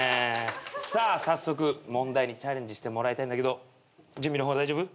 さあ早速問題にチャレンジしてもらいたいんだけど準備の方は大丈夫？